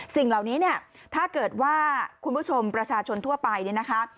สิ่งเหล่านี้เนี่ยถ้าเกิดว่าคุณผู้ชมประชาชนทั่วไปเนี่ยนะคะ